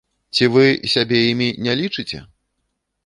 Ці вы сябе імі не лічыце?